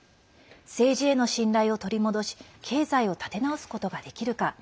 政治への信頼を取り戻し経済を立て直すことができるか。